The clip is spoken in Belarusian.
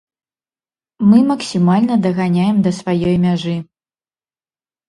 Мы максімальна даганяем да сваёй мяжы.